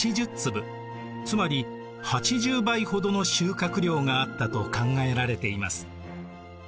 つまり８０倍ほどの収穫量があったと考えられています。